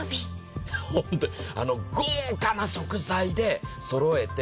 豪華な食材でそろえて。